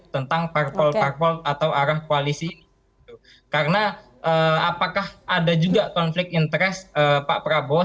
tentang parpol parpol atau arah koalisi karena apakah ada juga konflik interest pak prabowo